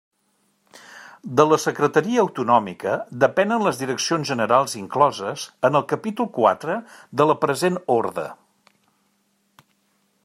De la Secretaria Autonòmica depenen les direccions generals incloses en el capítol quatre de la present orde.